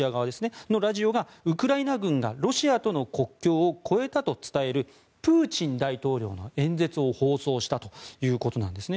そこのラジオがウクライナ軍がロシアとの国境を越えたと伝えるプーチン大統領の演説を放送したということなんですね。